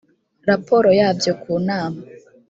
raporo yabyo ku nama